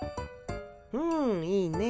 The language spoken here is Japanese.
うんいいね。